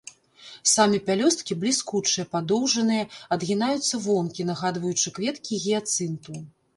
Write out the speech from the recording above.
Самі пялёсткі бліскучыя, падоўжаныя, адгінаюцца вонкі, нагадваючы кветкі гіяцынту.